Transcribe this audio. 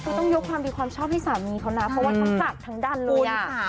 คือต้องยกความดีความชอบให้สามีเขานะเพราะว่าทั้งจากทั้งดันเลย